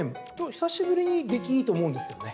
久しぶりに出来、いいと思うんですけどね。